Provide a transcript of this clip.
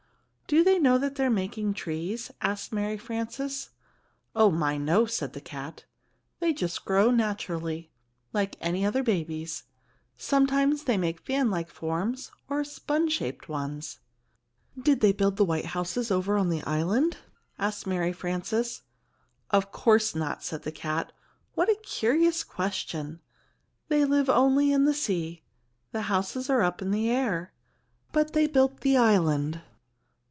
"Do they know they are making trees?" asked Mary Frances. "Oh, my, no," said the cat. "They just grow naturally, like any other babies. Sometimes they make fan like forms, or sponge shaped ones." "Did they build the white houses over on the island?" asked Mary Frances. "Of course not," said the cat; "what a curious question. They live only in the sea. The houses are up in the air but they built the island."